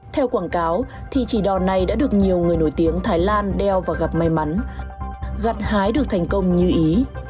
theo quảng cáo thì chỉ đò này đã được nhiều người nổi tiếng thái lan đeo và gặp may mắn gặt hái được thành công như ý